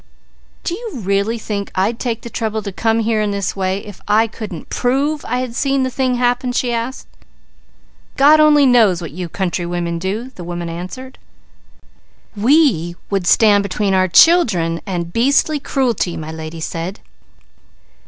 "'Do you really think I'd take the trouble to come here in this way if I couldn't prove I had seen the thing happen?' she asked. "'God only knows what you country women would do!' the woman answered. "'We would stand between our children and beastly cruelty,' my lady said.